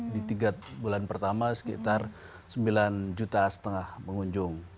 di tiga bulan pertama sekitar sembilan juta setengah pengunjung